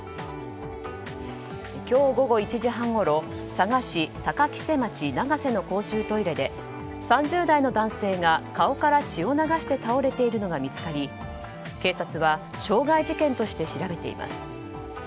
今日午後１時半ごろ佐賀市高木瀬町長瀬の公衆トイレで３０代の男性が顔から血を流して倒れているのが見つかり警察は傷害事件として調べています。